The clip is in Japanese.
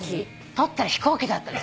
撮ったら飛行機だったの。